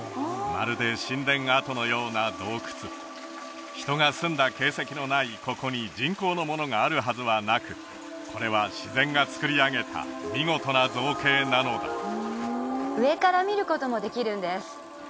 まるで神殿跡のような洞窟人が住んだ形跡のないここに人工のものがあるはずはなくこれは自然がつくりあげた見事な造形なのだ上から見ることもできるんです